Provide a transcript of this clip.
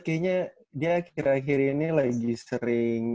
kayaknya dia akhir akhir ini lagi sering